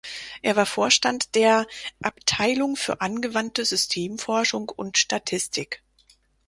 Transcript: Er war Vorstand der "Abteilung für Angewandte Systemforschung und Statistik".